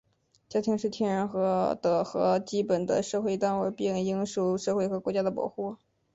家庭是天然的和基本的社会单元,并应受社会和国家的保护。